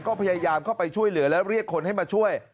ก็พยายามเข้าไปช่วยเหลือและเรียกคนให้มาช่วย